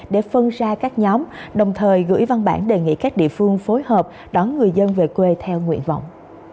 để phân ra các nhóm đồng thời gửi văn bản đề nghị các địa phương phối hợp đón người dân về quê theo nguyện vọng